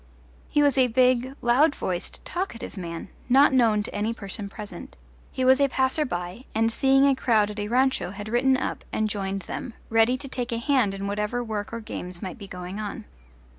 He was a big, loud voiced, talkative man, not known to any person present; he was a passer by, and seeing a crowd at a rancho had ridden up and joined them, ready to take a hand in whatever work or games might be going on.